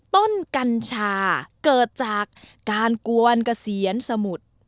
กัญชาเกิดจากการกวนเกษียณสมุทร